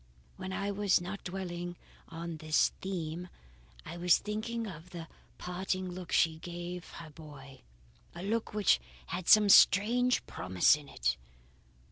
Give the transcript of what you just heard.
"When I was not dwelling on this theme, I was thinking of the parting look she gave her boy; a look which had some strange promise in it.